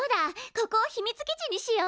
ここを秘密基地にしよう！